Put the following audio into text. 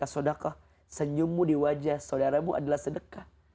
sedakah senyummu di wajah saudaramu adalah sedekah